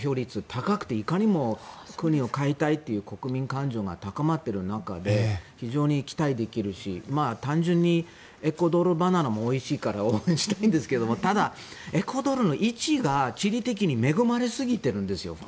高くていかにも国を変えたいという国民感情が高まっている中で非常に期待できるし単純にエクアドルのバナナもおいしいから応援したいんですけどただ、エクアドルの位置が地理的に恵まれすぎているんですよ。